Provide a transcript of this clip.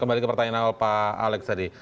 kembali ke pertanyaan awal pak alex tadi